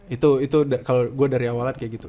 itu itu kalo gua dari awal kayak gitu